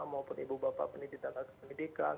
maupun ibu bapak pendidik dan tetangga kependidikan